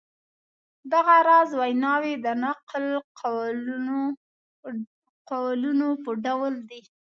دغه راز ویناوی د نقل قولونو په ډول دي.